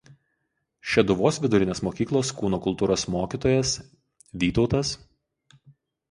Šeduvos vidurinės mokyklos kūno kultūros mokytojas Vyt.